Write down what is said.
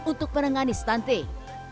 untuk menengani stunting